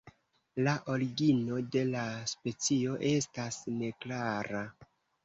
La origino de la specio estas neklara.